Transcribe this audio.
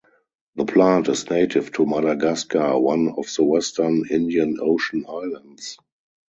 The plant is native to Madagascar, one of the western Indian Ocean islands.